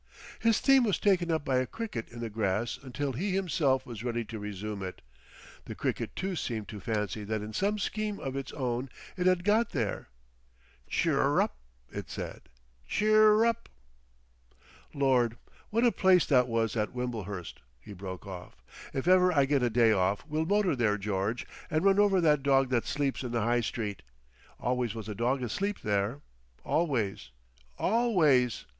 His theme was taken up by a cricket in the grass until he himself was ready to resume it. The cricket too seemed to fancy that in some scheme of its own it had got there. "Chirrrrrrup" it said; "chirrrrrrup." "Lord, what a place that was at Wimblehurst!" he broke out. "If ever I get a day off we'll motor there, George, and run over that dog that sleeps in the High Street. Always was a dog asleep there—always. Always...